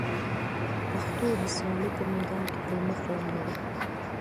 پښتو د سیالۍ په میدان کي پر مخ روانه ده.